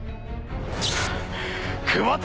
久保田！